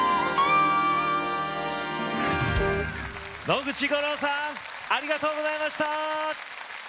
野口五郎さんありがとうございました！